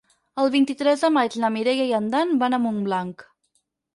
El vint-i-tres de maig na Mireia i en Dan van a Montblanc.